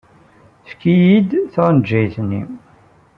Efk-iyi-d taɣenjayt-nni.